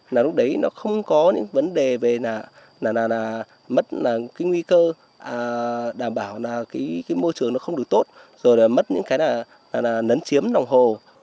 là lúc đấy nó không có những vấn đề về là mất cái nguy cơ đảm bảo là cái môi trường nó không được tốt rồi là mất những cái là lấn chiếm lòng hồ